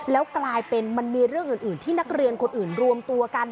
แล้วกลายเป็นมันมีเรื่องอื่นที่นักเรียนคนอื่นรวมตัวกัน